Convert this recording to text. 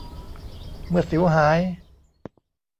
เมื่อสิวหาย